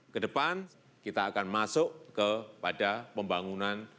kedepan kita akan masuk kepada pembangunan